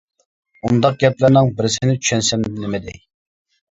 ئۇنداق گەپلەرنىڭ بىرسىنى چۈشەنسەم نېمە دەي.